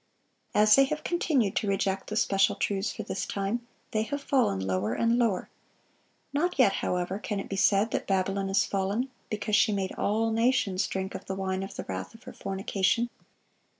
As they have continued to reject the special truths for this time, they have fallen lower and lower. Not yet, however, can it be said that "Babylon is fallen, ... because she made all nations drink of the wine of the wrath of her fornication."